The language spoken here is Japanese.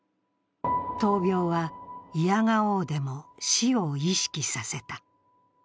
闘病はいやが応でも死を意識させた。